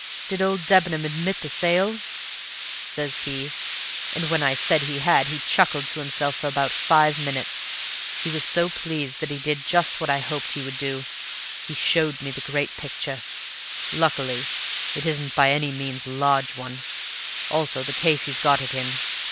'Did OLD Debenham admit the sale?' says he; and when I said he had he chuckled to himself for about five minutes. He was so pleased that he did just what I hoped he would do; he showed me the great picture luckily it isn't by any means a large one also the case he's got it in.